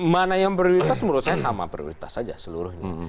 mana yang prioritas menurut saya sama prioritas saja seluruhnya